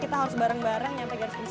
kita harus bareng bareng sampai garis kecil